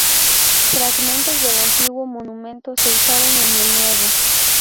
Fragmentos del antiguo monumento se usaron en el nuevo.